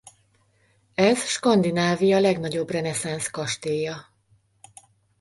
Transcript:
Ez Skandinávia legnagyobb reneszánsz kastélya.